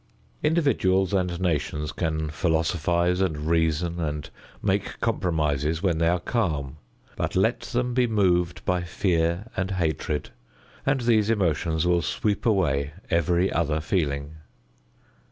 Individuals and nations can philosophize and reason and make compromises when they are calm; but let them be moved by fear and hatred, and these emotions will sweep away every other feeling.